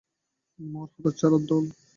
মর, হতচ্ছাড়ার দল!